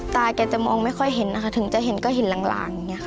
ตาแกจะมองไม่ค่อยเห็นนะคะถึงจะเห็นก็เห็นหลัง